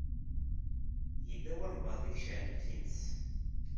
Yella walebɛaḍ i iceɛlen times.